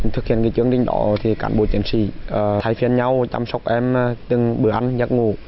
thực hiện chương trình đó thì cán bộ chiến sĩ thay phiên nhau chăm sóc em từng bữa ăn giấc ngủ